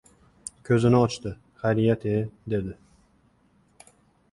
— Ko‘zini ochdi, xayriyat-ye, — dedi.